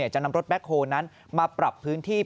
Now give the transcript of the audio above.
จะนำรถแคคโฮนั้นมาปรับพื้นที่